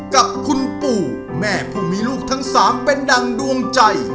กับคุณปู่แม่ผู้มีลูกทั้ง๓เป็นดังดวงใจ